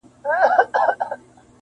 o د بل په پرتوگ کونه نه پټېږي!